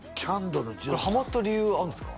はいハマった理由あるんですか？